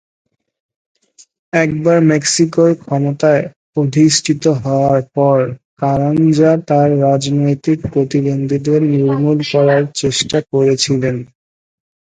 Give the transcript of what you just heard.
একবার মেক্সিকোর ক্ষমতায় অধিষ্ঠিত হওয়ার পর, কারাঞ্জা তার রাজনৈতিক প্রতিদ্বন্দ্বীদের নির্মূল করার চেষ্টা করেছিলেন।